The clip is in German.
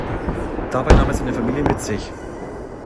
Dabei nahm er seine Familie mit sich.